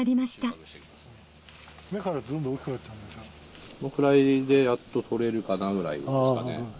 このくらいでやっと取れるかなぐらいですかね。